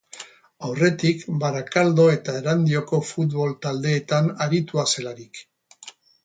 Aurretik Barakaldo eta Erandioko futbol taldeetan aritua zelarik.